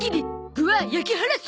具は焼きハラス。